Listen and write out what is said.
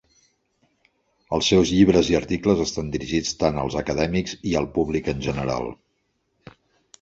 Els seus llibres i articles estan dirigits tant als acadèmics i al públic en general.